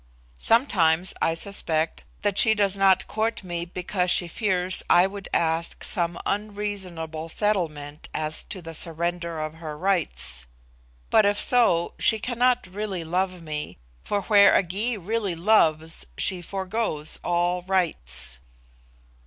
Sometimes I suspect that she does not court me because she fears I would ask some unreasonable settlement as to the surrender of her rights. But if so, she cannot really love me, for where a Gy really loves she forgoes all rights."